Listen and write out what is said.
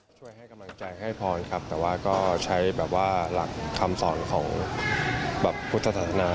ช่วยให้กำลังใจให้พรครับแต่ว่าก็ใช้แบบว่าหลักคำสอนของแบบพุทธศาสนา